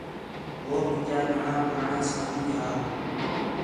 ہو مینجا گھݨاں پُراݨاں سنڳتی ہا